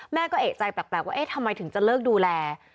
แม่ก็เอกใจแปลกว่าเอ๊ะทำไมถึงจะเลิกดูแล